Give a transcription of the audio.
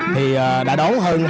thì đã đón hơn